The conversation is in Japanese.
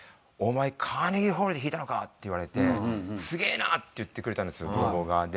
「お前カーネギーホールで弾いたのか！？」って言われて「すげえな！」って言ってくれたんです泥棒が。